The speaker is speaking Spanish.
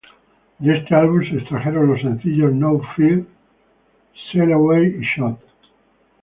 De este álbum se extrajeron los sencillos "No Fear", "Sail Away", y "Shot".